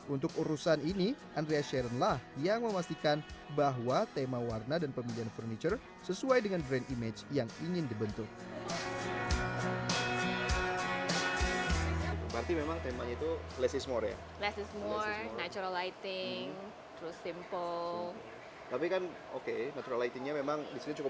untuk urusan ini andrea sharonlah yang memastikan bahwa tema warna dan pemilihan furniture sesuai dengan brand image yang ingin dibentuk